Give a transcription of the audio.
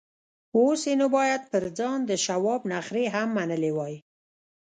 اوس یې نو باید پر ځان د شواب نخرې هم منلې وای